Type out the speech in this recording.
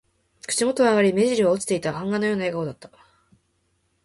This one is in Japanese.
口元は上がり、目じりは落ちていた。版画のような笑顔だった。